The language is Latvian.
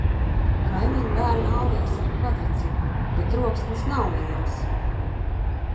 Kaimiņu bērni ālējas ar kvadriciklu, bet troksnis nav liels.